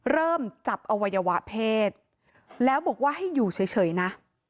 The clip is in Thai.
เริ่มจับอวัยวะเพศแล้วบอกว่าให้อยู่เฉยนะ